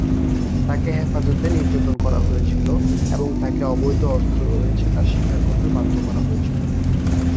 তাকে হেফাজতে নির্যাতন করা হয়েছিল এবং তাকে অবৈধ অস্ত্র রয়েছে তা স্বীকার করতে বাধ্য করা হয়েছিল।